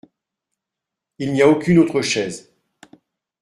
Il n’y a aucune autre chaise.